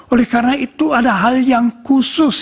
oleh karena itu ada hal yang khusus